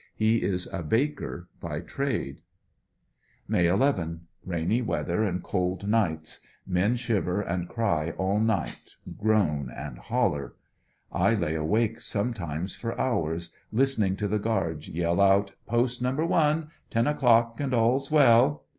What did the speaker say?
He is a baker by trade. May 11. —Rainy weather and cold nii>;hts. Men shiver and cry all night — groan and "holler." I lay awake sometimes for hours, listening to the guards yell out "Post number one; ten o'clock and all's well!"